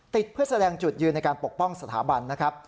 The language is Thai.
เพื่อแสดงจุดยืนในการปกป้องสถาบันนะครับ